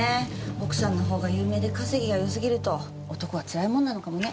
奥さんのほうが有名で稼ぎが良すぎると男はつらいものなのかもね。